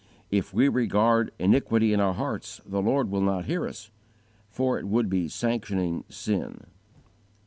If we regard iniquity in our hearts, the Lord will not hear us, for it would be sanctioning sin.